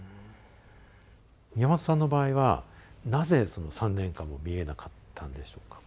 宮本さんの場合はなぜその３年間も見えなかったんでしょうか？